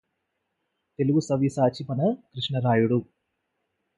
తెలుగుసవ్యసాచి మన కృష్ణరాయుడు